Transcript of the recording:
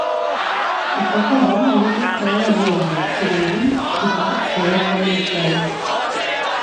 Aquest darrer només es troba a Guyana, Surinam i parts de l'est de Veneçuela.